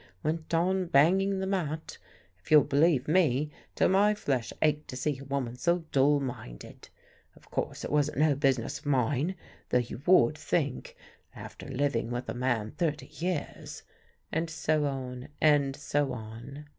Went on banging the mat, if you'll believe me, till my flesh ached to see a woman so dull minded. Of course it wasn' no business of mine, tho' you would think, after living with a man thirty years " and so on, and so on.